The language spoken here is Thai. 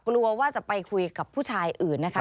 กลัวว่าจะไปคุยกับผู้ชายอื่นนะคะ